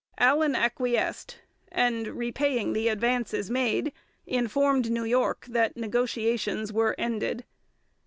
Allan acquiesced, and, repaying the advances made, informed New York that negotiations were ended.